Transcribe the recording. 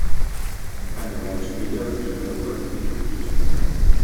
Eine Weile später wird der Terrorist getötet.